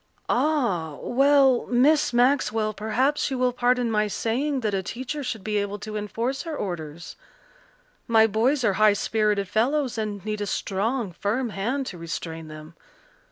"Ah, well, Miss Maxwell, perhaps you will pardon my saying that a teacher should be able to enforce her orders. My boys are high spirited fellows and need a strong, firm hand to restrain them.